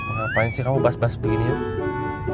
ngapain sih kamu bahas bahas begini ya